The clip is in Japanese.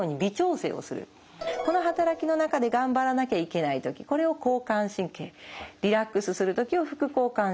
この働きの中で頑張らなきゃいけない時これを交感神経リラックスする時を副交感神経。